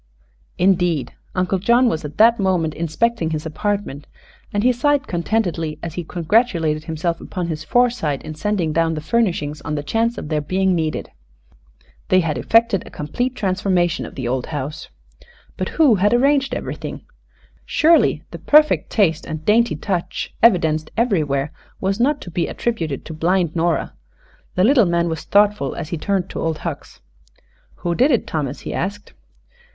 Indeed, Uncle John was at that moment inspecting his apartment, and he sighed contentedly as he congratulated himself upon his foresight in sending down the furnishings on the chance of their being needed. They had effected a complete transformation of the old house. But who had arranged everything? Surely the perfect taste and dainty touch evidenced everywhere was not to be attributed to blind Nora. The little man was thoughtful as he turned to Old Hucks. "Who did it, Thomas?" he asked.